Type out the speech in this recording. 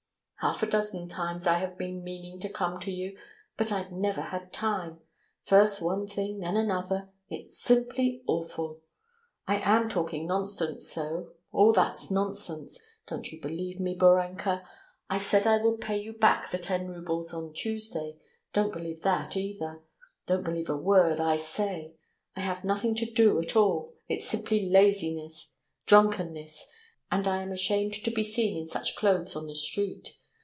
"Half a dozen times I have been meaning to come to you, but I've never had time. First one thing, then another. ... It's simply awful! I am talking nonsense though. ... All that's nonsense. Don't you believe me, Borenka. I said I would pay you back the ten roubles on Tuesday, don't believe that either. Don't believe a word I say. I have nothing to do at all, it's simply laziness, drunkenness, and I am ashamed to be seen in such clothes in the street.